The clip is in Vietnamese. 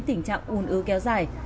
tình trạng ùn ứ kéo dài